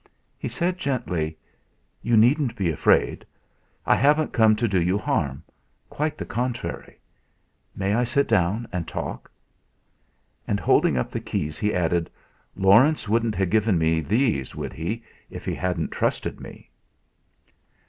He said gently: "You needn't be afraid. I haven't come to do you harm quite the contrary. May I sit down and talk?" And, holding up the keys, he added: "Laurence wouldn't have given me these, would he, if he hadn't trusted me?"